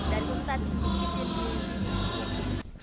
dari bukit tadulako